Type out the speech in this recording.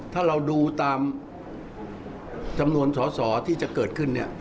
ถ้าเราดูตามจำนวนสอสอที่จะเกิดขึ้นเนี่ย